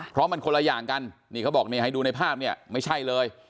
เพราะมันคนละอย่างกันนี่เขาบอกนี่ให้ดูในภาพเนี่ยไม่ใช่เลย